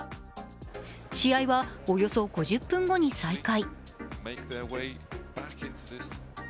試合はおよそ５０分後に再開。